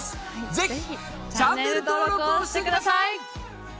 ぜひチャンネル登録をしてください！